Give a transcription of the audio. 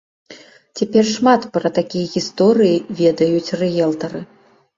Цяпер шмат пра такія гісторыі ведаюць рыэлтары.